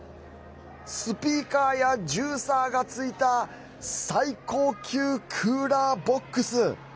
スピーカーやジューサーがついた最高級クーラーボックス。